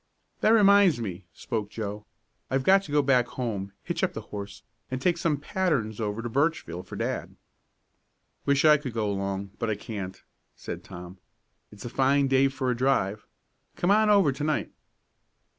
"That reminds me," spoke Joe. "I've got to go back home, hitch up the horse, and take some patterns over to Birchville for dad." "Wish I could go along, but I can't," said Tom. "It's a fine day for a drive. Come on over to night."